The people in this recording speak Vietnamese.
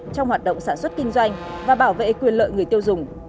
trong hoạt động sản xuất kinh doanh và bảo vệ quyền lợi người tiêu dùng